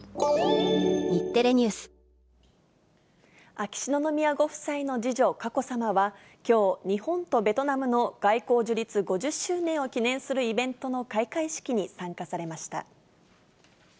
秋篠宮ご夫妻の次女、佳子さまは、きょう、日本とベトナムの外交樹立５０周年を記念するイベントの開会式に参加されました。